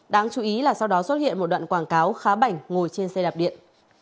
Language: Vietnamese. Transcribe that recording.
đáng chú ý là sau đó xuất hiện một đoạn quảng cáo khá bảnh ngồi trên xe đạp điện